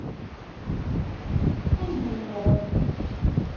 Ad m-d-iniɣ.